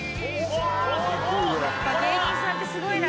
やっぱ芸人さんってすごいな。